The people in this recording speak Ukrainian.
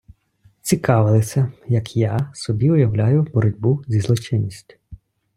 Цікавилися, як я собі уявляю боротьбу зі злочинністю.